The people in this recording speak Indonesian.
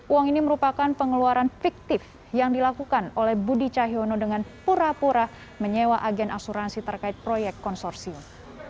uang ini merupakan pengeluaran fiktif yang dilakukan oleh budi cahyono dengan pura pura menyewa agen asuransi terkait proyek konsorsium